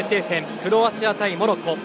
クロアチア対モロッコ。